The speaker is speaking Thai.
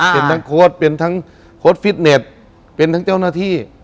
เป็นทั้งโค้ดเป็นทั้งโค้ดฟิตเน็ตเป็นทั้งเจ้าหน้าที่